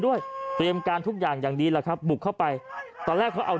เตรียมการทุกอย่างอย่างดีแหละครับบุกเข้าไปตอนแรกเขาเอา